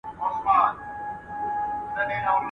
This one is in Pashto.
چي مېلمه ئې سوړ سک خوري، کوربه بې څه خوري.